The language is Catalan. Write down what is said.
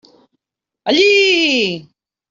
Allí!